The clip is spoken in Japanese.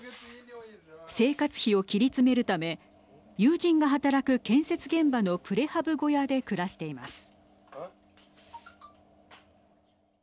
生活費を切り詰めるため友人が働く建設現場のプレハブ小屋で暮らしています。